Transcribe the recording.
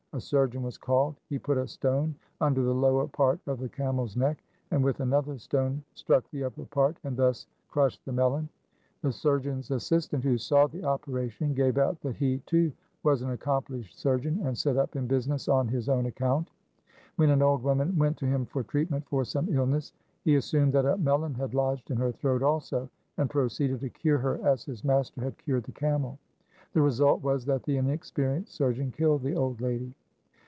A surgeon was called. He put a stone under the lower part of the camel's neck, and with another stone struck the upper part and thus crushed the melon. The surgeon's assistant, who saw the operation, gave out that he too was an accomplished surgeon, and set up in business on his own account. When an old woman went to him for treatment for some illness, he assumed that a melon had lodged in her throat also, and proceeded to cure her as his master had cured the camel. The result was that the inexperienced surgeon killed the old lady.